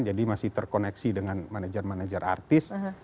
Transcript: jadi masih terkoneksi dengan manajer manajer artis